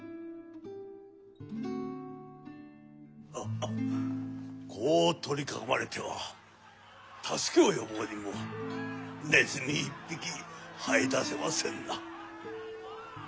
ハハッこう取り囲まれては助けを呼ぼうにもねずみ一匹はい出せませぬな。